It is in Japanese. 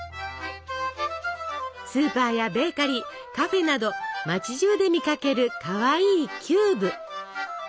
スーパーやベーカリーカフェなど町じゅうで見かけるかわいいキューブ。